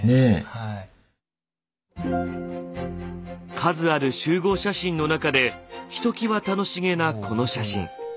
数ある集合写真の中でひときわ楽しげなこの写真。